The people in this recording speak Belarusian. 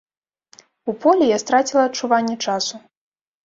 У полі я страціла адчуванне часу.